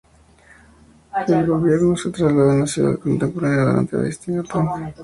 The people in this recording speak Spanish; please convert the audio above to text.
El gobierno se trasladó a la ciudad contemporánea durante la dinastía Tang.